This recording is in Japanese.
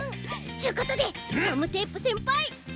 ちゅことでガムテープせんぱい。